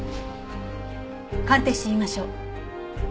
鑑定してみましょう。